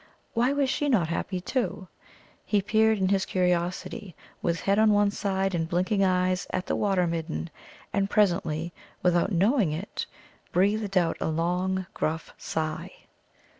why was she not happy, too? He peered in his curiosity, with head on one side and blinking eyes, at the Water midden, and presently, without knowing it, breathed out a long, gruff sigh.